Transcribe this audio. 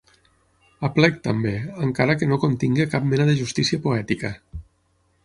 Aplec, també, encara que no contingui cap mena de justícia poètica.